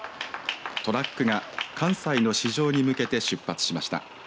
トラックが関西の市場に向けて出発しました。